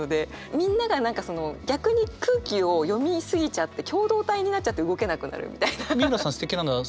みんなが逆に空気を読み過ぎちゃって共同体になっちゃって動けなくなるみたいな。